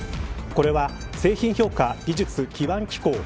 これは製品評価技術基盤機構